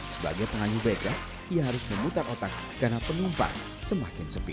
sebagai pengayuh becak ia harus memutar otak karena penumpang semakin sepi